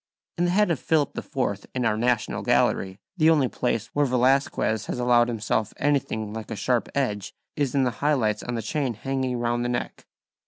In the head of Philip IV in our National Gallery the only place where Velazquez has allowed himself anything like a sharp edge is in the high lights on the chain hanging round the neck.